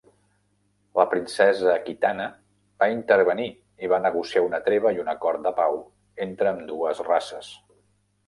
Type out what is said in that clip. La princesa Kitana va intervenir i va negociar una treva i un acord de pau entre ambdues races.